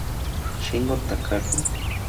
Shingo Takagi